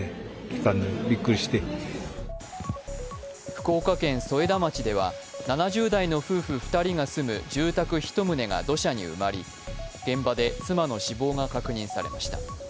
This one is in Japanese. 福岡県添田町では７０代の夫婦２人が住む住宅１棟が土砂に埋まり現場で妻の死亡が確認されました。